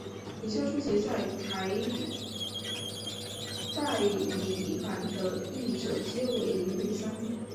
以下书籍在台代理版的译者皆为林武三。